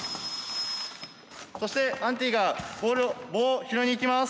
そしてアンティが棒を拾いに行きます。